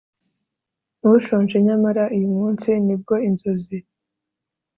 Ushonje nyamara uyumunsi nubwo inzozi